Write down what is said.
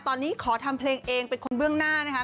ตอนนี้ขอทำเพลงเองเป็นคนเบื้องหน้านะคะ